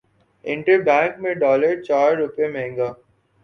inter bank میں dollar چار روپے مہنگا